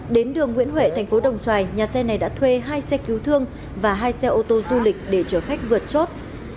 đến đường nguyễn huệ thành phố đồng xoài nhà xe này đã thuê hai xe cứu thương và hai xe ô tô du lịch để chở khách vượt chốt